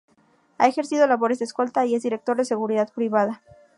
Ha ejercido labores de Escolta y es Director de Seguridad Privada.